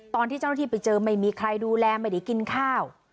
ตอนที่เจ้าหน้าที่ไปเจอไม่มีใครดูแลไม่ได้กินข้าว